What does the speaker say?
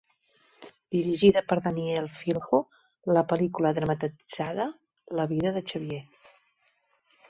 Dirigida per Daniel Filho, la pel·lícula dramatitzava la vida de Xavier.